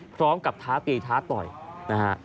พร้อมกับท้าตีท้าต่อยนะฮะ